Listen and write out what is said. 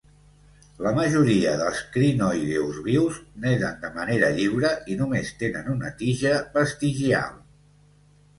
La majoria dels crinoïdeus vius naden de manera lliure i només tenen una tija vestigial.